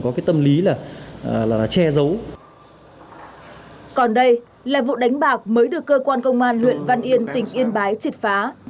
còn đây là vụ đánh bạc mới được cơ quan công an huyện văn yên tỉnh yên bái triệt phá